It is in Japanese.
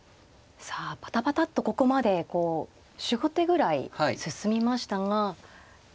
さあパタパタッとここまでこう４５手ぐらい進みましたが。